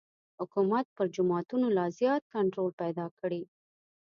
حکومت پر جوماتونو لا زیات کنټرول پیدا کړي.